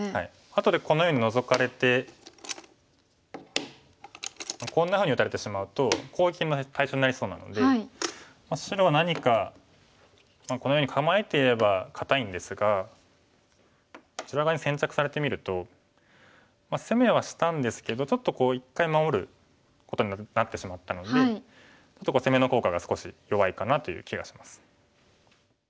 あとでこのようにノゾかれてこんなふうに打たれてしまうと攻撃の対象になりそうなので白は何かこのように構えていれば堅いんですがこちら側に先着されてみると攻めはしたんですけどちょっと一回守ることになってしまったのでちょっと攻めの効果が少し弱いかなという気がします。